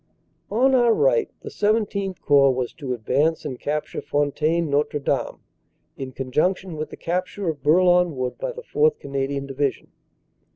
"On our right the XVII Corps was to advance and capture Fontaine Notre Dame, in conjunction with the capture of Bourlon Wood by the 4th. Canadian Division.